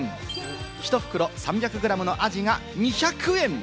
１袋３００グラムのアジが２００円。